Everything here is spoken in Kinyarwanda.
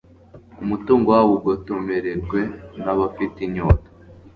umutungo wabo ugotomerwe n'abafite inyota